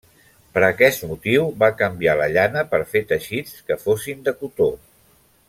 Per aquest motiu va canviar la llana per fer teixits que fossin de cotó.